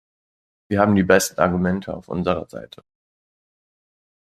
Wir haben die besten Argumente auf unserer Seite.